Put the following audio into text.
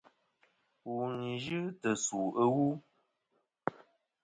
Wù n-yɨ tɨ̀ sù ɨwu.